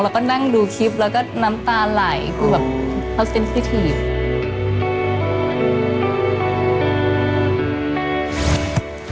แล้วก็น้ำตาไหลคือแบบเพราะสินสิทธิ